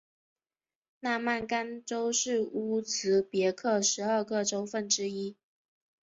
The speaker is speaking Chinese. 纳曼干州是乌兹别克十二个州份之一。